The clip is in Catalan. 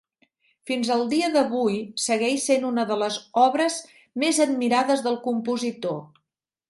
Fins al dia d'avui segueix sent una de les obres més admirades del compositor.